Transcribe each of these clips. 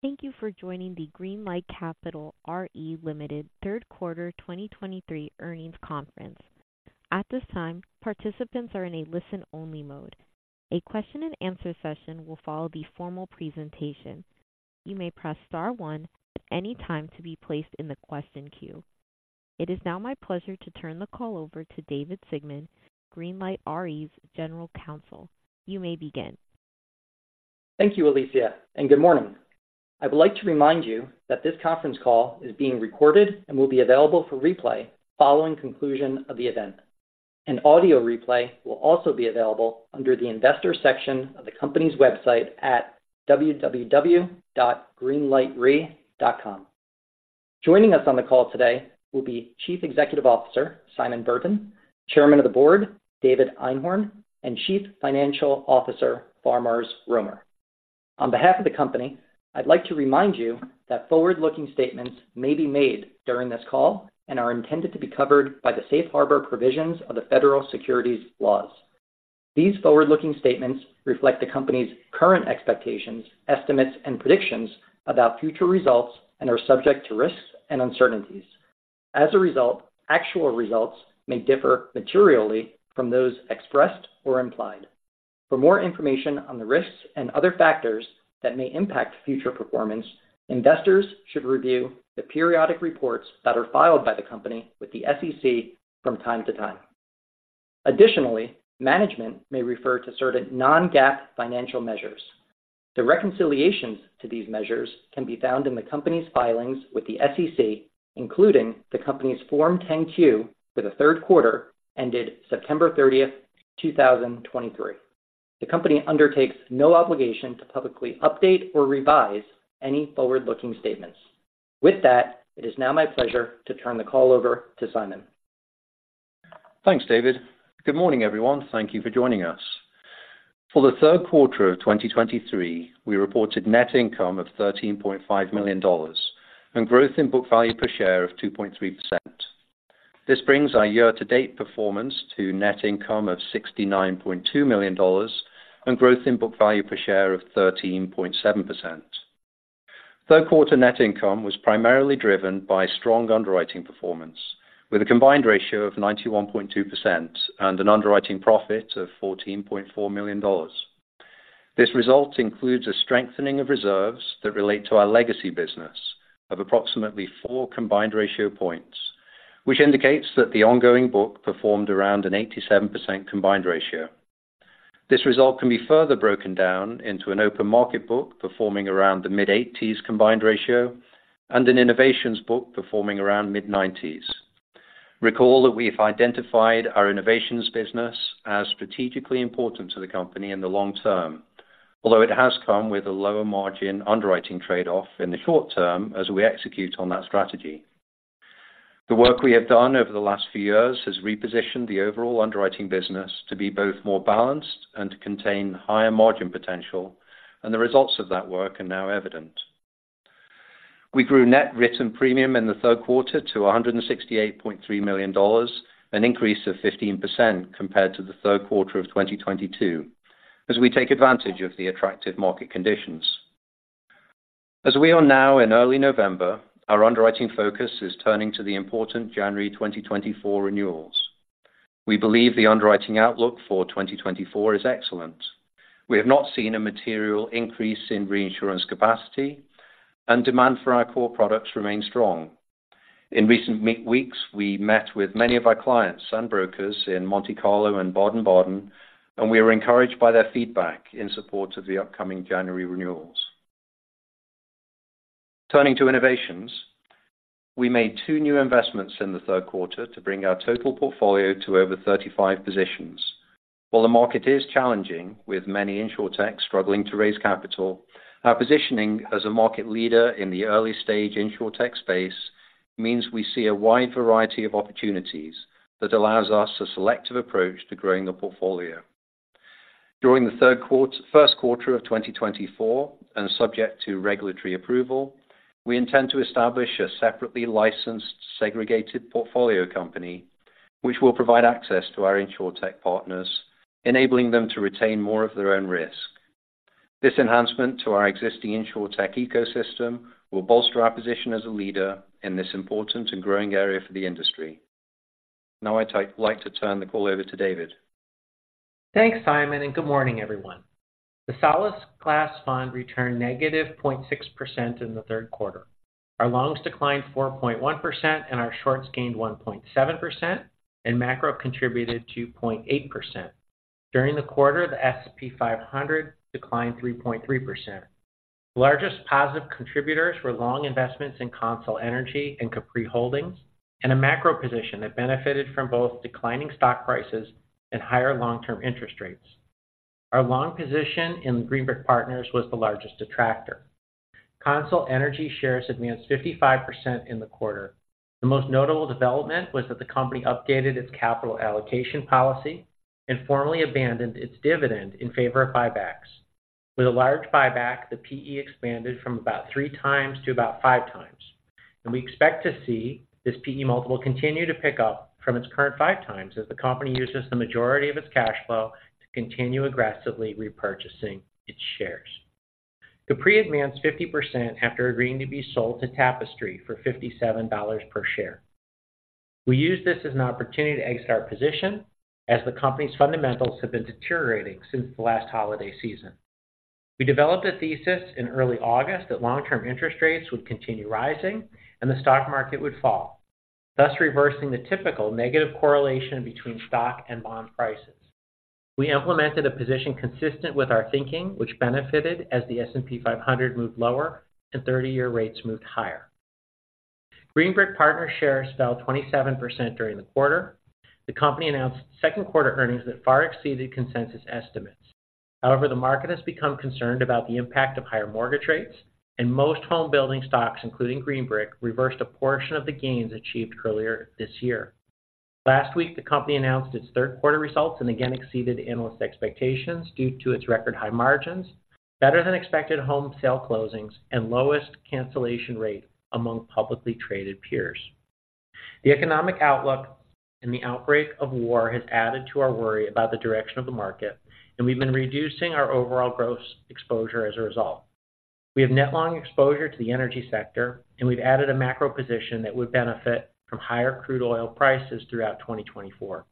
Thank you for joining the Greenlight Capital Re, Ltd Third Quarter 2023 Earnings Conference. At this time, participants are in a listen-only mode. A question and answer session will follow the formal presentation. You may press star one at any time to be placed in the question queue. It is now my pleasure to turn the call over to David Sigmon, Greenlight Re's General Counsel. You may begin. Thank you, Alicia, and good morning. I would like to remind you that this conference call is being recorded and will be available for replay following conclusion of the event. An audio replay will also be available under the investor section of the company's website at www.greenlightre.com. Joining us on the call today will be Chief Executive Officer Simon Burton, Chairman of the Board David Einhorn, and Chief Financial Officer Faramarz Romer. On behalf of the company, I'd like to remind you that forward-looking statements may be made during this call and are intended to be covered by the safe harbor provisions of the federal securities laws. These forward-looking statements reflect the company's current expectations, estimates, and predictions about future results and are subject to risks and uncertainties. As a result, actual results may differ materially from those expressed or implied. For more information on the risks and other factors that may impact future performance, investors should review the periodic reports that are filed by the company with the SEC from time to time. Additionally, management may refer to certain non-GAAP financial measures. The reconciliations to these measures can be found in the company's filings with the SEC, including the company's Form 10-Q for the third quarter ended September 30, 2023. The company undertakes no obligation to publicly update or revise any forward-looking statements. With that, it is now my pleasure to turn the call over to Simon. Thanks, David. Good morning, everyone. Thank you for joining us. For the third quarter of 2023, we reported net income of $13.5 million and growth in book value per share of 2.3%. This brings our year-to-date performance to net income of $69.2 million and growth in book value per share of 13.7%. Third quarter net income was primarily driven by strong underwriting performance, with a combined ratio of 91.2% and an underwriting profit of $14.4 million. This result includes a strengthening of reserves that relate to our legacy business of approximately 4 combined ratio points, which indicates that the ongoing book performed around an 87% combined ratio. This result can be further broken down into an open market book, performing around the mid-80s combined ratio and an innovations book performing around mid-90s. Recall that we've identified our innovations business as strategically important to the company in the long term, although it has come with a lower margin underwriting trade-off in the short term as we execute on that strategy. The work we have done over the last few years has repositioned the overall underwriting business to be both more balanced and to contain higher margin potential, and the results of that work are now evident. We grew net written premium in the third quarter to $168.3 million, an increase of 15% compared to the third quarter of 2022, as we take advantage of the attractive market conditions. As we are now in early November, our underwriting focus is turning to the important January 2024 renewals. We believe the underwriting outlook for 2024 is excellent. We have not seen a material increase in reinsurance capacity, and demand for our core products remains strong. In recent weeks, we met with many of our clients and brokers in Monte Carlo and Baden-Baden, and we are encouraged by their feedback in support of the upcoming January renewals. Turning to innovations. We made two new investments in the third quarter to bring our total portfolio to over 35 positions. While the market is challenging, with many insurtechs struggling to raise capital, our positioning as a market leader in the early stage insurtech space means we see a wide variety of opportunities that allows us a selective approach to growing the portfolio. During the first quarter of 2024, and subject to regulatory approval, we intend to establish a separately licensed, segregated portfolio company, which will provide access to our insurtech partners, enabling them to retain more of their own risk. This enhancement to our existing insurtech ecosystem will bolster our position as a leader in this important and growing area for the industry. Now, I'd like to turn the call over to David. Thanks, Simon, and good morning, everyone. The Solasglas fund returned -0.6% in the third quarter. Our longs declined 4.1% and our shorts gained 1.7%, and macro contributed 2.8%. During the quarter, the S&P 500 declined 3.3%. The largest positive contributors were long investments in CONSOL Energy and Capri Holdings, and a macro position that benefited from both declining stock prices and higher long-term interest rates. Our long position in Green Brick Partners was the largest detractor. CONSOL Energy shares advanced 55% in the quarter. The most notable development was that the company updated its capital allocation policy and formally abandoned its dividend in favor of buybacks. With a large buyback, the P/E expanded from about 3x to about 5x. We expect to see this PE multiple continue to pick up from its current 5x, as the company uses the majority of its cash flow to continue aggressively repurchasing its shares. Capri advanced 50%, after agreeing to be sold to Tapestry for $57 per share. We used this as an opportunity to exit our position, as the company's fundamentals have been deteriorating since the last holiday season. We developed a thesis in early August that long-term interest rates would continue rising and the stock market would fall, thus reversing the typical negative correlation between stock and bond prices. We implemented a position consistent with our thinking, which benefited as the S&P 500 moved lower and 30-year rates moved higher. Green Brick Partners shares fell 27% during the quarter. The company announced second quarter earnings that far exceeded consensus estimates. However, the market has become concerned about the impact of higher mortgage rates, and most home building stocks, including Green Brick, reversed a portion of the gains achieved earlier this year. Last week, the company announced its third quarter results and again exceeded analyst expectations due to its record-high margins, better-than-expected home sale closings, and lowest cancellation rate among publicly traded peers. The economic outlook and the outbreak of war has added to our worry about the direction of the market, and we've been reducing our overall gross exposure as a result. We have net long exposure to the energy sector, and we've added a macro position that would benefit from higher crude oil prices throughout 2024.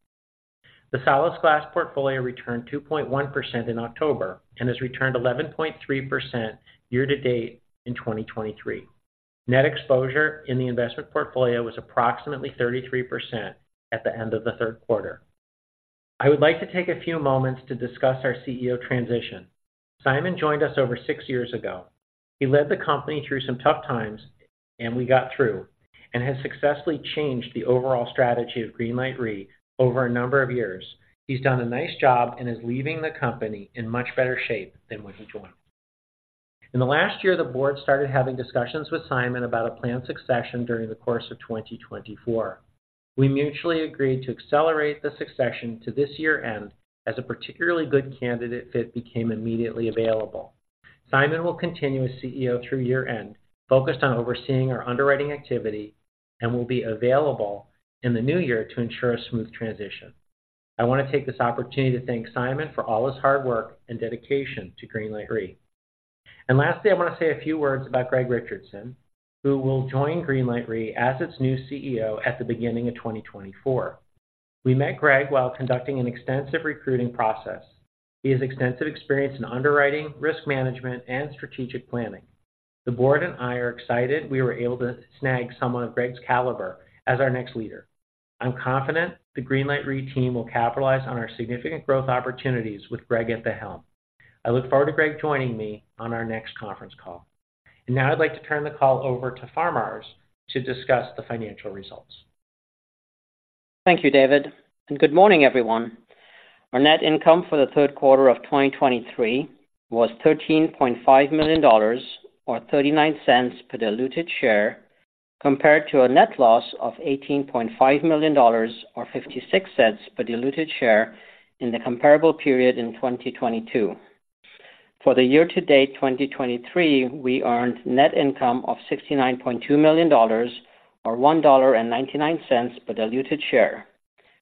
The Solasglas portfolio returned 2.1% in October and has returned 11.3% year to date in 2023. Net exposure in the investment portfolio was approximately 33% at the end of the third quarter. I would like to take a few moments to discuss our CEO transition. Simon joined us over six years ago. He led the company through some tough times, and we got through, and has successfully changed the overall strategy of Greenlight Re over a number of years. He's done a nice job and is leaving the company in much better shape than when he joined. In the last year, the board started having discussions with Simon about a planned succession during the course of 2024. We mutually agreed to accelerate the succession to this year end as a particularly good candidate fit became immediately available. Simon will continue as CEO through year end, focused on overseeing our underwriting activity, and will be available in the new year to ensure a smooth transition. I want to take this opportunity to thank Simon for all his hard work and dedication to Greenlight Re. Lastly, I want to say a few words about Greg Richardson, who will join Greenlight Re as its new CEO at the beginning of 2024. We met Greg while conducting an extensive recruiting process. He has extensive experience in underwriting, risk management, and strategic planning. The board and I are excited we were able to snag someone of Greg's caliber as our next leader. I'm confident the Greenlight Re team will capitalize on our significant growth opportunities with Greg at the helm. I look forward to Greg joining me on our next conference call. Now I'd like to turn the call over to Faramarz to discuss the financial results. Thank you, David, and good morning, everyone. Our net income for the third quarter of 2023 was $13.5 million, or $0.39 per diluted share, compared to a net loss of $18.5 million, or $0.56 per diluted share in the comparable period in 2022. For the year-to-date 2023, we earned net income of $69.2 million, or $1.99 per diluted share,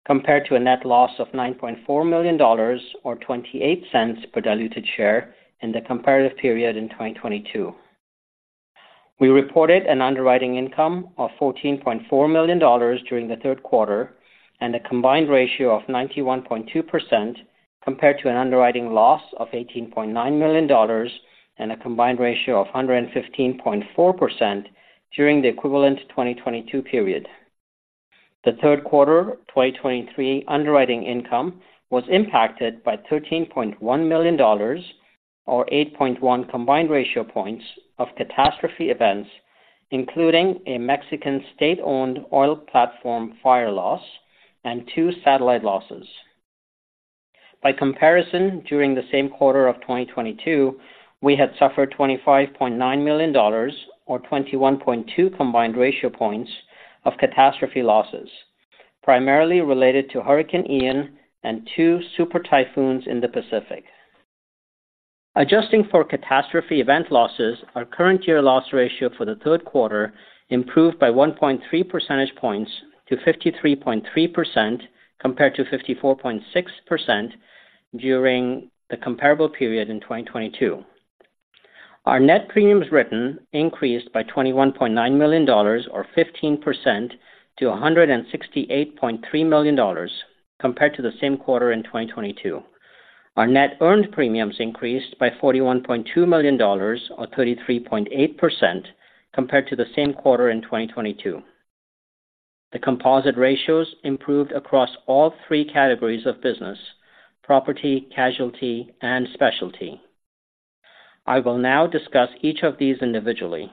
compared to a net loss of $9.4 million, or $0.28 per diluted share in the comparative period in 2022. We reported an underwriting income of $14.4 million during the third quarter and a combined ratio of 91.2%, compared to an underwriting loss of $18.9 million and a combined ratio of 115.4% during the equivalent 2022 period. The third quarter, 2023 underwriting income was impacted by $13.1 million, or 8.1 combined ratio points of catastrophe events, including a Mexican state-owned oil platform fire loss and two satellite losses. By comparison, during the same quarter of 2022, we had suffered $25.9 million or 21.2 combined ratio points of catastrophe losses, primarily related to Hurricane Ian and two super typhoons in the Pacific. Adjusting for catastrophe event losses, our current year loss ratio for the third quarter improved by 1.3 percentage points to 53.3%, compared to 54.6% during the comparable period in 2022. Our net premiums written increased by $21.9 million or 15% to $168.3 million compared to the same quarter in 2022. Our net earned premiums increased by $41.2 million or 33.8% compared to the same quarter in 2022. The composite ratios improved across all three categories of business: property, casualty, and specialty. I will now discuss each of these individually.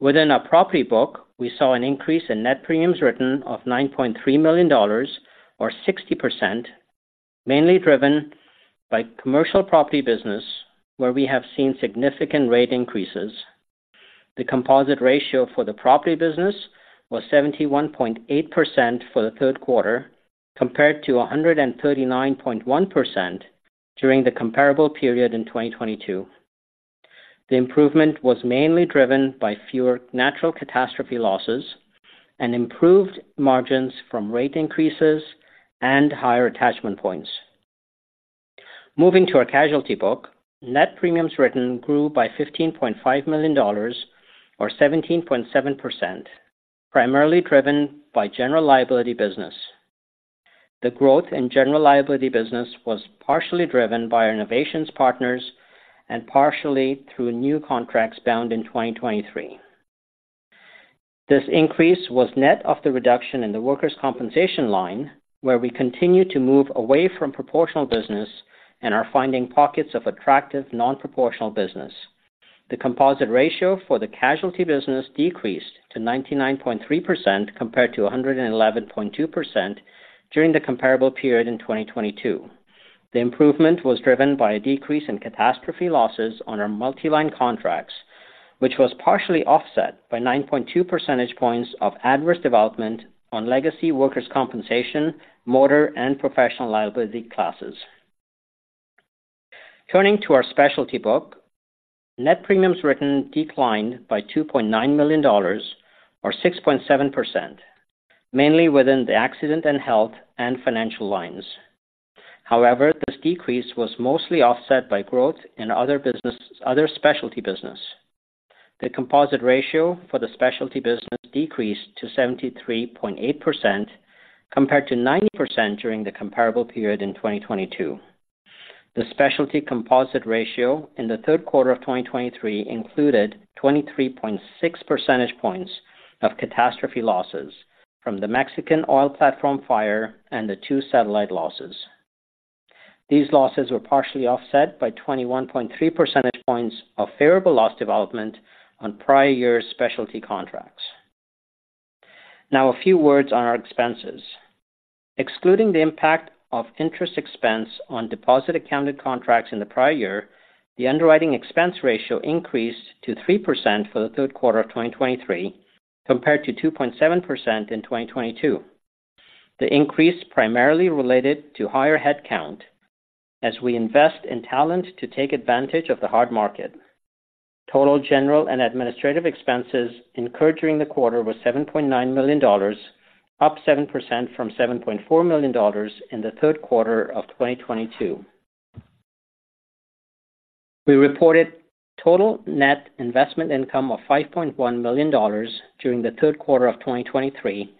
Within our property book, we saw an increase in net premiums written of $9.3 million or 60%, mainly driven by commercial property business, where we have seen significant rate increases. The composite ratio for the property business was 71.8% for the third quarter, compared to 139.1% during the comparable period in 2022. The improvement was mainly driven by fewer natural catastrophe losses and improved margins from rate increases and higher attachment points. Moving to our casualty book, net premiums written grew by $15.5 million, or 17.7%, primarily driven by general liability business. The growth in general liability business was partially driven by our innovations partners and partially through new contracts bound in 2023. This increase was net of the reduction in the workers' compensation line, where we continue to move away from proportional business and are finding pockets of attractive, non-proportional business. The composite ratio for the casualty business decreased to 99.3%, compared to 111.2% during the comparable period in 2022. The improvement was driven by a decrease in catastrophe losses on our multi-line contracts, which was partially offset by 9.2 percentage points of adverse development on legacy workers' compensation, motor, and professional liability classes. Turning to our specialty book, net premiums written declined by $2.9 million, or 6.7%, mainly within the accident and health and financial lines. However, this decrease was mostly offset by growth in other business, other specialty business. The composite ratio for the specialty business decreased to 73.8%, compared to 90% during the comparable period in 2022. The specialty composite ratio in the third quarter of 2023 included 23.6 percentage points of catastrophe losses from the Mexican oil platform fire and the two satellite losses. These losses were partially offset by 21.3 percentage points of favorable loss development on prior years' specialty contracts. Now, a few words on our expenses. Excluding the impact of interest expense on deposit accounted contracts in the prior year, the underwriting expense ratio increased to 3% for the third quarter of 2023, compared to 2.7% in 2022. The increase primarily related to higher headcount as we invest in talent to take advantage of the hard market. Total general and administrative expenses incurred during the quarter was $7.9 million, up 7% from $7.4 million in the third quarter of 2022. We reported total net investment income of $5.1 million during the third quarter of 2023,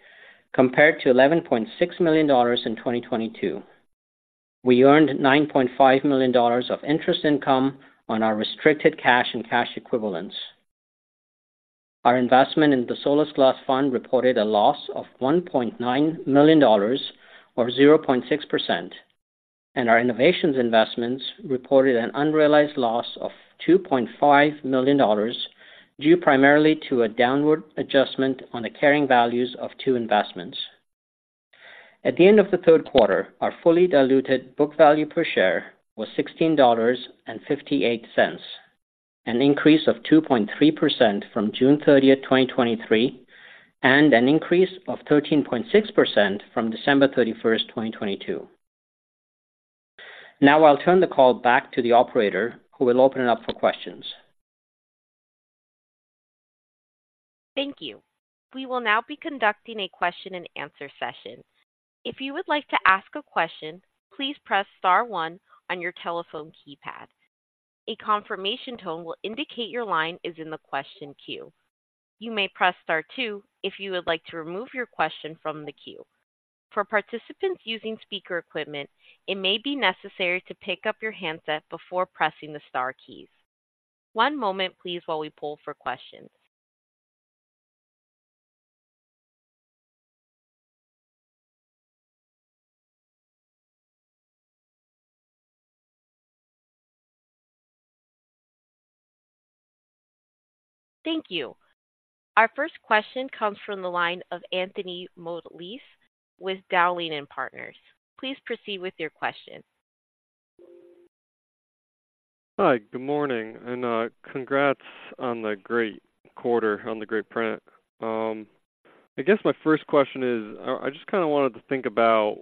compared to $11.6 million in 2022. We earned $9.5 million of interest income on our restricted cash and cash equivalents. Our investment in the Solasglas Fund reported a loss of $1.9 million, or 0.6%, and our innovations investments reported an unrealized loss of $2.5 million, due primarily to a downward adjustment on the carrying values of two investments. At the end of the third quarter, our fully diluted book value per share was $16.58, an increase of 2.3% from June 30th, 2023, and an increase of 13.6% from December 31, 2022. Now, I'll turn the call back to the operator, who will open it up for questions. Thank you. We will now be conducting a question and answer session. If you would like to ask a question, please press star one on your telephone keypad. A confirmation tone will indicate your line is in the question queue. You may press star two if you would like to remove your question from the queue. For participants using speaker equipment, it may be necessary to pick up your handset before pressing the star keys. One moment, please, while we pull for questions. Thank you. Our first question comes from the line of Anthony Mottolese with Dowling & Partners. Please proceed with your question. Hi, good morning, and congrats on the great quarter, on the great print. I guess my first question is, I just kind of wanted to think about,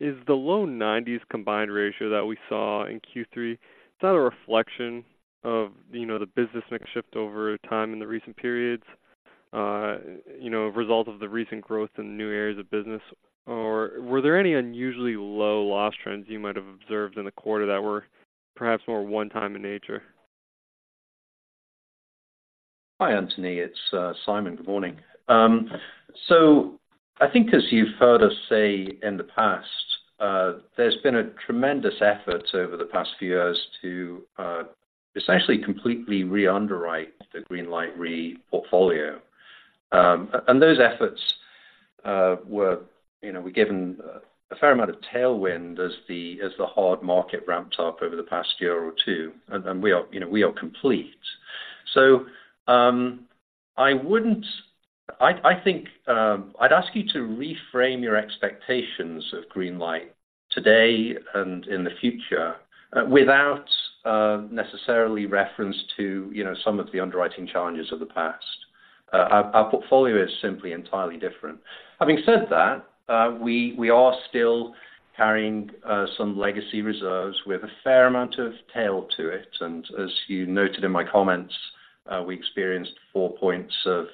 is the low 90s combined ratio that we saw in Q3, is that a reflection of, you know, the business mix shift over time in the recent periods, you know, a result of the recent growth in new areas of business? Or were there any unusually low loss trends you might have observed in the quarter that were perhaps more one-time in nature? Hi, Anthony. It's Simon. Good morning. So I think as you've heard us say in the past, there's been a tremendous effort over the past few years to essentially completely re-underwrite the Greenlight Re portfolio. And those efforts, you know, we're given a fair amount of tailwind as the hard market ramped up over the past year or two, and we are, you know, we are complete. So I wouldn't-- I think I'd ask you to reframe your expectations of Greenlight today and in the future without necessarily reference to, you know, some of the underwriting challenges of the past. Our portfolio is simply entirely different. Having said that, we are still carrying some legacy reserves with a fair amount of tail to it, and as you noted in my comments, we experienced 4 points of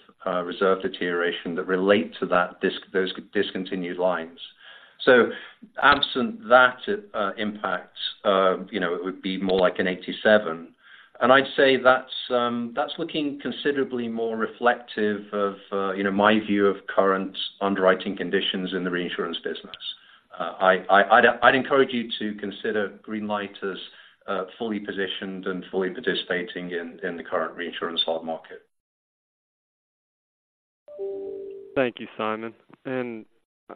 reserve deterioration that relate to those discontinued lines. So absent that impact, you know, it would be more like an 87. I'd say that's looking considerably more reflective of, you know, my view of current underwriting conditions in the reinsurance business. I'd encourage you to consider Greenlight as fully positioned and fully participating in the current reinsurance hard market. Thank you, Simon.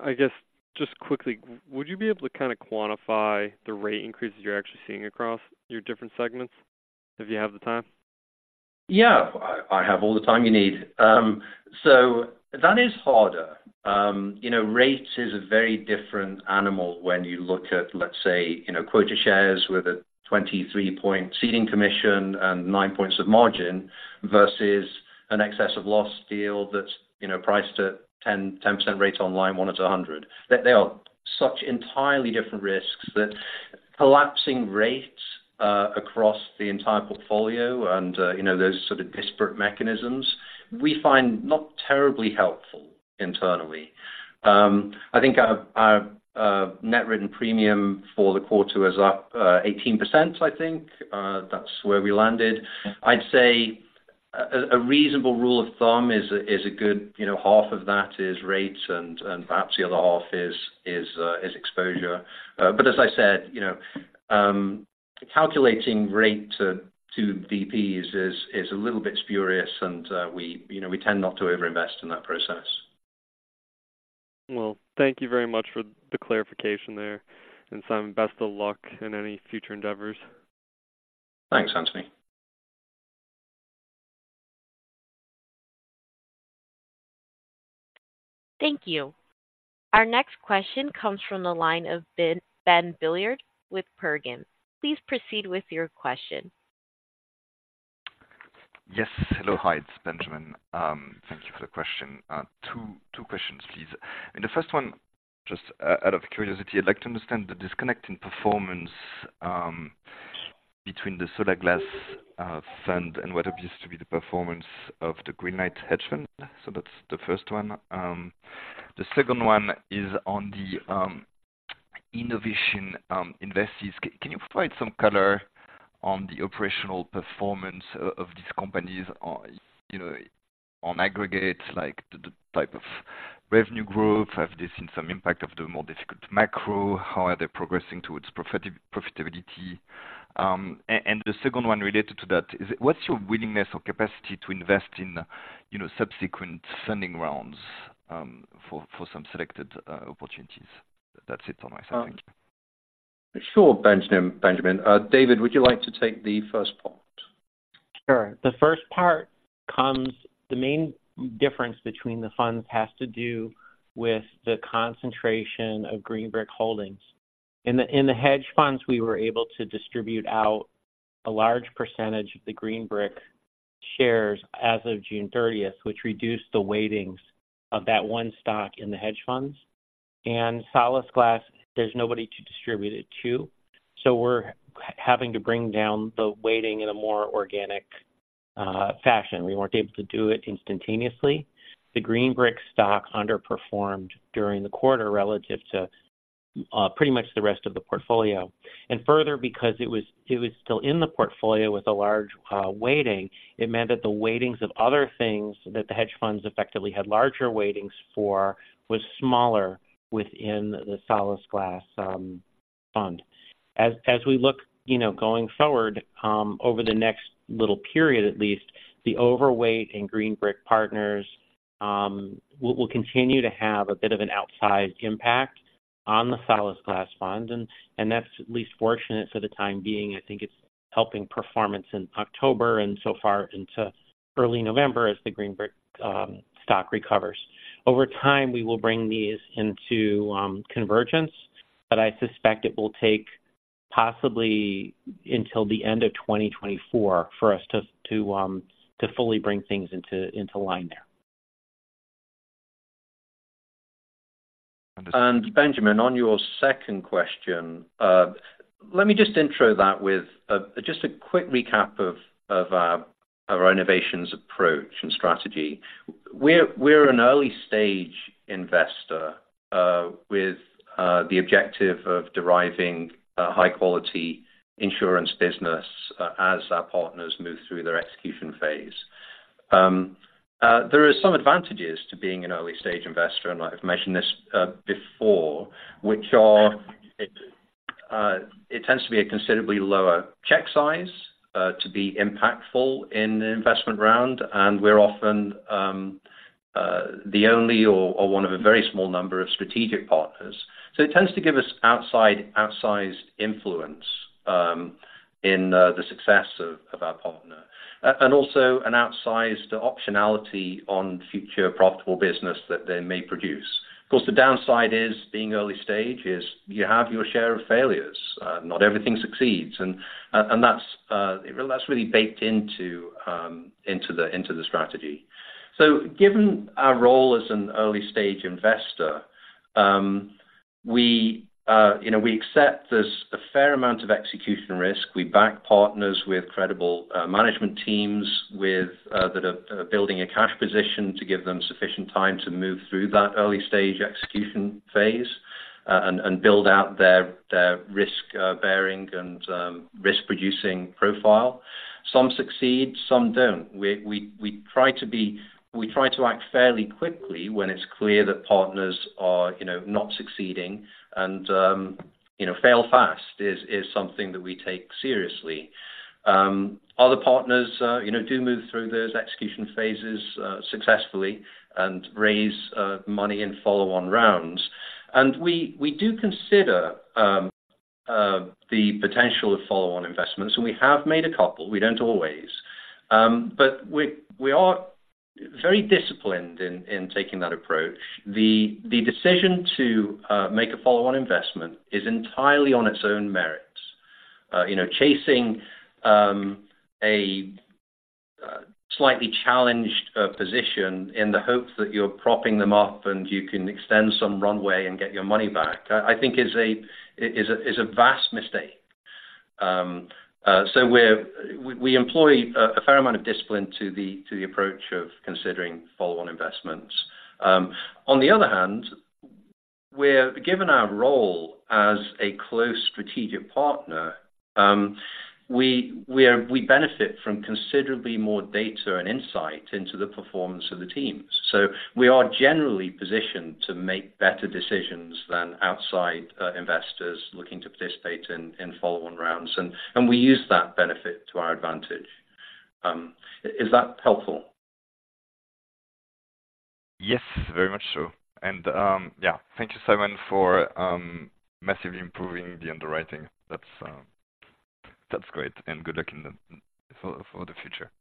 I guess, just quickly, would you be able to kind of quantify the rate increases you're actually seeing across your different segments, if you have the time? Yeah, I have all the time you need. So that is harder. You know, rates is a very different animal when you look at, let's say, you know, quota shares with a 23-point ceding commission and 9 points of margin versus an excess of loss deal that's, you know, priced at 10% rates on line 1 at 100. They are such entirely different risks that collapsing rates across the entire portfolio and, you know, those sort of disparate mechanisms, we find not terribly helpful internally. I think our net written premium for the quarter was up 18%, I think, that's where we landed. I'd say a reasonable rule of thumb is a good, you know, half of that is rates, and perhaps the other half is exposure. But as I said, you know, calculating rate to BPs is a little bit spurious, and we, you know, we tend not to overinvest in that process. Well, thank you very much for the clarification there. And Simon, best of luck in any future endeavors. Thanks, Anthony. Thank you. Our next question comes from the line of Ben Billiard with Pergam. Please proceed with your question. Yes. Hello, hi, it's Benjamin. Thank you for the question. Two, two questions, please. And the first one, just, out of curiosity, I'd like to understand the disconnect in performance, between the Solasglas, fund and what appears to be the performance of the Greenlight Hedge Fund. So that's the first one. The second one is on the, innovation, investors. Can you provide some color on the operational performance of these companies on, you know, on aggregate, like the type of revenue growth? Have they seen some impact of the more difficult macro? How are they progressing towards profitability? And the second one related to that, is what's your willingness or capacity to invest in, you know, subsequent funding rounds, for some selected, opportunities? That's it on my side. Thank you. Sure, Benjamin. David, would you like to take the first part? Sure. The first part comes. The main difference between the funds has to do with the concentration of Green Brick holdings. In the hedge funds, we were able to distribute out a large percentage of the Green Brick shares as of June 30th, which reduced the weightings of that one stock in the hedge funds. And Solasglas, there's nobody to distribute it to, so we're having to bring down the weighting in a more organic fashion. We weren't able to do it instantaneously. The Green Brick stock underperformed during the quarter relative to pretty much the rest of the portfolio. And further, because it was still in the portfolio with a large weighting, it meant that the weightings of other things that the hedge funds effectively had larger weightings for was smaller within the Solasglas fund. As we look, you know, going forward, over the next little period, at least, the overweight in Green Brick Partners will continue to have a bit of an outsized impact on the Solasglas fund. And that's at least fortunate for the time being. I think it's helping performance in October and so far into early November as the Green Brick stock recovers. Over time, we will bring these into convergence, but I suspect it will take possibly until the end of 2024 for us to fully bring things into line there. Benjamin, on your second question, let me just intro that with just a quick recap of our innovations approach and strategy. We're an early stage investor with the objective of deriving high quality insurance business as our partners move through their execution phase. There are some advantages to being an early stage investor, and I've mentioned this before, which are it tends to be a considerably lower check size to be impactful in the investment round, and we're often the only or one of a very small number of strategic partners. So it tends to give us outsized influence in the success of our partner, and also an outsized optionality on future profitable business that they may produce. Of course, the downside is, being early stage is, you have your share of failures. Not everything succeeds. And, and that's, really, that's really baked into, into the, into the strategy. So given our role as an early stage investor, We, you know, we accept there's a fair amount of execution risk. We back partners with credible, management teams, with, that are, are building a cash position to give them sufficient time to move through that early stage execution phase, and, and build out their, their risk, bearing and, risk-producing profile. Some succeed, some don't. We try to be-- We try to act fairly quickly when it's clear that partners are, you know, not succeeding and, you know, fail fast is, is something that we take seriously. Other partners, you know, do move through those execution phases successfully and raise money in follow-on rounds. And we do consider the potential of follow-on investments, and we have made a couple. We don't always. But we are very disciplined in taking that approach. The decision to make a follow-on investment is entirely on its own merits. You know, chasing a slightly challenged position in the hopes that you're propping them up and you can extend some runway and get your money back, I think is a vast mistake. So we employ a fair amount of discipline to the approach of considering follow-on investments. On the other hand, we're given our role as a close strategic partner, we benefit from considerably more data and insight into the performance of the teams. So we are generally positioned to make better decisions than outside investors looking to participate in follow-on rounds, and we use that benefit to our advantage. Is that helpful? Yes, very much so. Yeah, thank you, Simon, for massively improving the underwriting. That's great, and good luck for the future.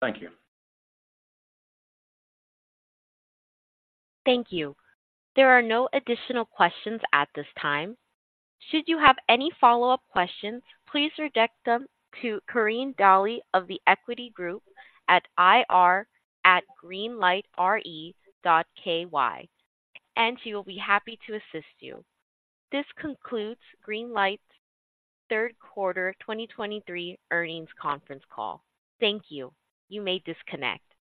Thank you. Thank you. There are no additional questions at this time. Should you have any follow-up questions, please redirect them to Karin Daly of The Equity Group at ir@greenlightre.ky, and she will be happy to assist you. This concludes Greenlight's third quarter 2023 earnings conference call. Thank you. You may disconnect.